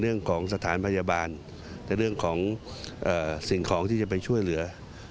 เรื่องของสถานพยาบาลแต่เรื่องของสิ่งของที่จะไปช่วยเหลือ